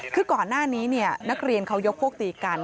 คือก่อนหน้านี้นักเรียนเขายกพวกตีกัน